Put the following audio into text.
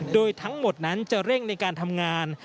โดยทั้งหมดนั้นจะเร่งในการทำงาน